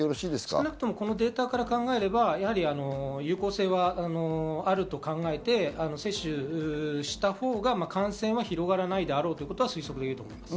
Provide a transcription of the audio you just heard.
少なくともこのデータから考えると有効性はあると考えて、接種したほうが感染は広がらないであろうということを推測できると思います。